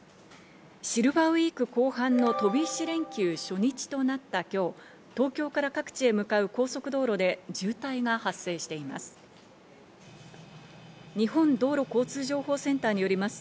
シルバーウイーク後半の飛び石連休初日となった今日、東京から各地へ向かう高速道路で渋滞が発生しています。